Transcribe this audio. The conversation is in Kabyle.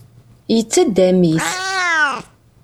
Yettaddam-it.